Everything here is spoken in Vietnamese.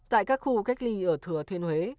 tại các khu cách ly ở thừa thiên huế